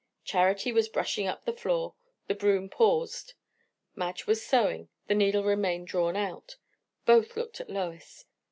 Charity was brushing up the floor; the broom paused. Madge was sewing; the needle remained drawn out. Both looked at Lois.